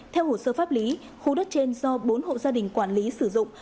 theo hồ sơ pháp lý khu đất trên do bốn hộ gia đình quản lý sử dụng